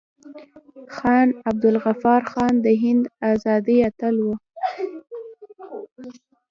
خان عبدالغفار خان د هند د ازادۍ اتل و.